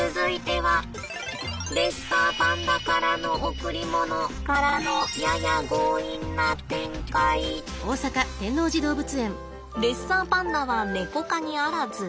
続いては。からのレッサーパンダはネコ科にあらず。